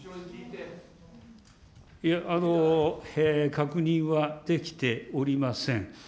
確認はできておりません。